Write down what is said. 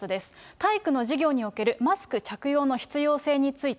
体育の授業におけるマスク着用の必要性について。